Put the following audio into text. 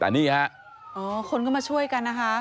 แต่นี่ฮะอ๋อคนก็มาช่วยกันนะคะ